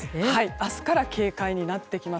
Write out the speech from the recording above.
明日から警戒になってきます。